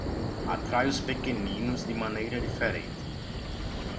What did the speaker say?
Atrai os pequeninos de maneira diferente.